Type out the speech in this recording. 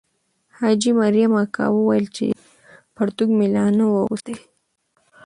حاجي مریم اکا وویل چې پرتوګ مې لا نه وو اغوستی.